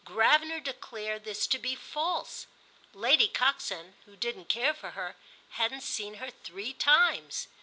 Gravener declared this to be false; Lady Coxon, who didn't care for her, hadn't seen her three times.